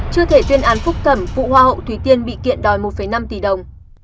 chưa thể tuyên án phúc thẩm vụ hoa hậu thủy tiên bị kiện đòi một năm tỷ đồng